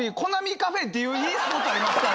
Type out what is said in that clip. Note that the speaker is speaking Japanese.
カフェっていういいスポットありますから。